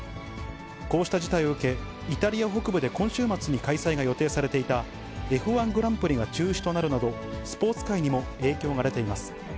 こうした事態を受け、イタリア北部で今週末に開催が予定されていた、Ｆ１グランプリが中止となるなど、スポーツ界にも影響が出ています。